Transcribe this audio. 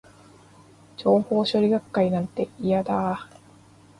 情報処理学会なんて、嫌だー